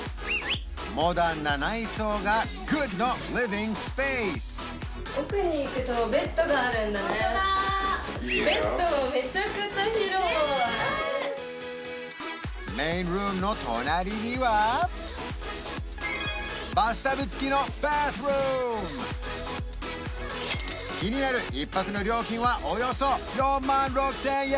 モダンな内装がグッドのリビングスペースホントだベッドもめちゃくちゃ広いメインルームの隣にはバスタブ付きのバスルーム気になる１泊の料金はおよそ４万６０００円